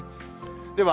では